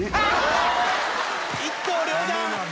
一刀両断。